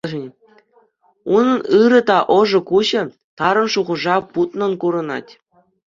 Унӑн ырӑ та ӑшӑ куҫӗ тарӑн шухӑша путнӑн курӑнать.